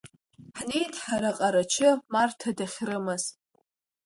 Ҳнеит ҳара Ҟарачы, Марҭа дахьрымаз.